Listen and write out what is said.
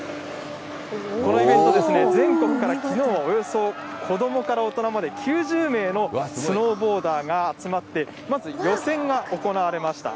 このイベント、全国からきのう、およそ子どもから大人まで９０名のスノーボーダーが集まって、まず予選が行われました。